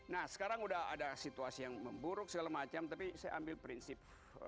nah sekarang udah ada situasi yang memburuk segala macam tapi saya ambil prinsip